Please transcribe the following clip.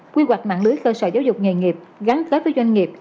quy hoạch mạng lưới cơ sở giáo dục nghề nghiệp gắn kết với doanh nghiệp